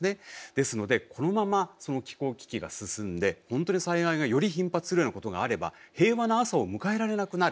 ですのでこのまま気候危機が進んで本当に災害がより頻発するようなことがあれば平和な朝を迎えられなくなる。